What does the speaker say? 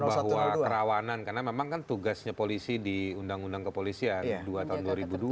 bahwa kerawanan karena memang kan tugasnya polisi di undang undang kepolisian